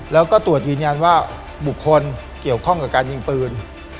แล้วก็ตรวจยืนยันว่าบุคคลเกี่ยวข้องกับการยิงปืน